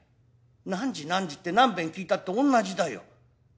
何時何時って何べん聞いたって同じだよ。